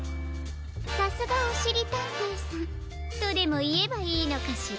さすがおしりたんていさんとでもいえばいいのかしら？